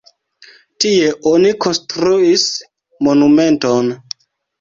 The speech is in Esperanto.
Tie oni konstruis monumenton.